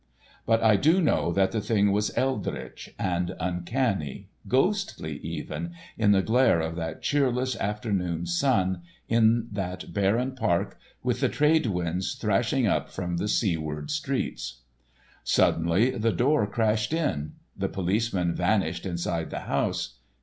But I do know that the thing was eldritch and uncanny, ghostly even, in the glare of that cheerless afternoon's sun, in that barren park, with the trade winds thrashing up from the seaward streets. Suddenly the door crashed in. The policemen vanished inside the house.